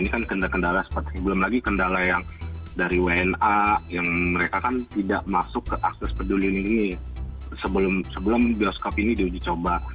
ini kan kendala kendala seperti belum lagi kendala yang dari wna yang mereka kan tidak masuk ke akses peduli lindungi sebelum bioskop ini diuji coba